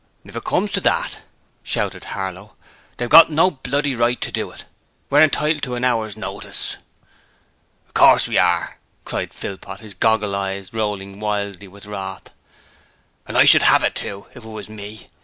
'If it comes to that,' Harlow shouted, 'they've got no bloody right to do it! We're entitled to an hour's notice.' 'Of course we are!' cried Philpot, his goggle eyes rolling wildly with wrath. 'And I should 'ave it too, if it was me.